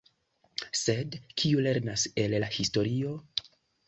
Sed kiu lernas el la historio?